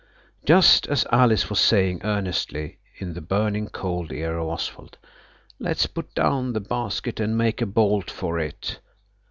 Just as Alice was saying earnestly in the burning cold ear of Oswald, "Let's put down the basket and make a bolt for it.